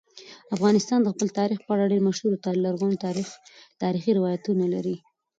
افغانستان د خپل تاریخ په اړه ډېر مشهور او لرغوني تاریخی روایتونه لري.